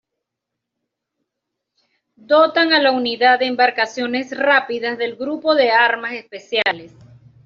Dotan a la Unidad de Embarcaciones Rápidas del Grupo de Armas Especiales.